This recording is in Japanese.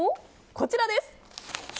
こちらです。